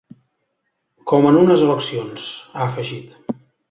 Com en unes eleccions, ha afegit.